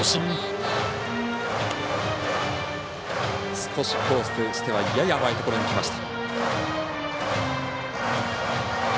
少しコースとしてはやや甘いところにきました。